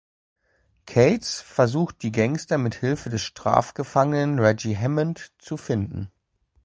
Cates versucht die Gangster mithilfe des Strafgefangenen Reggie Hammond zu finden.